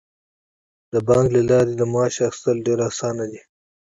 د بانک له لارې د معاش اخیستل ډیر اسانه دي.